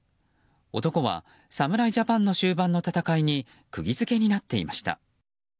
男は侍ジャパンの終盤の戦いにくぎ付けになっていました。